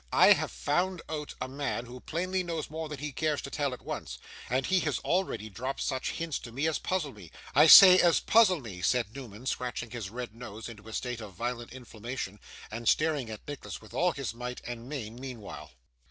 I have found out a man, who plainly knows more than he cares to tell at once. And he has already dropped such hints to me as puzzle me I say, as puzzle me,' said Newman, scratching his red nose into a state of violent inflammation, and staring at Nicholas with all his might and main meanwhile.